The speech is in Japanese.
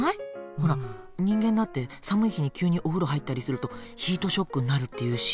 ほら人間だって寒い日に急にお風呂入ったりするとヒートショックになるっていうし。